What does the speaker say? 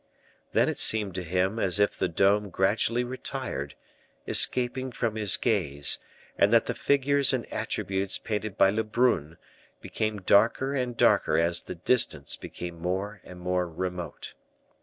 Then it seemed to him as if the dome gradually retired, escaping from his gaze, and that the figures and attributes painted by Lebrun became darker and darker as the distance became more and more remote.